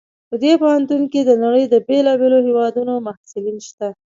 په دې پوهنتون کې د نړۍ د بیلابیلو هیوادونو محصلین شته